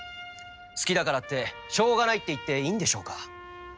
好きだからってしょうがないって言っていいんでしょうか？